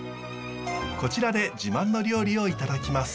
こちらで自慢の料理をいただきます。